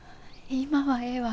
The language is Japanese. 今はええわ。